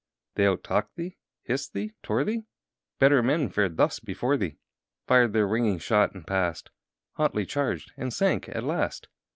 They out talked thee, hissed thee, tore thee? Better men fared thus before thee; Fired their ringing shot and passed, Hotly charged and sank at last.